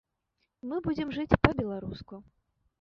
Мы будзем жыць па-беларуску.